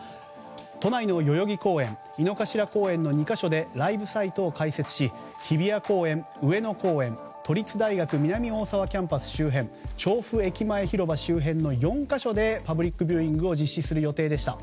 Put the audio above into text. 都内の代々木公園、井の頭公園の２か所でライブサイトを開設し日比谷公園、上野公園都立大学南大沢キャンパス周辺調布駅前広場周辺の４か所でパブリックビューイングを実施する予定でした。